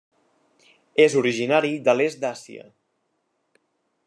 És originari de l'est d'Àsia.